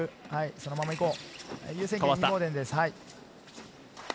そのまま行こう。